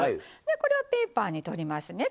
これをペーパーにとりますね